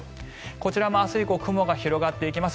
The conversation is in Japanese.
こちらも明日以降雲が広がっていきます。